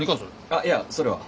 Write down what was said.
あっいやそれは。